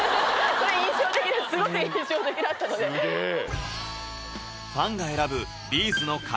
それ印象的だったすごく印象的だったのですげえ！